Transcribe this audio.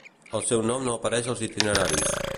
El seu nom no apareix als Itineraris.